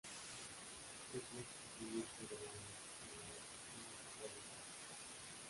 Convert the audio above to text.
Es un endemismo del Lago Malawi en África Oriental.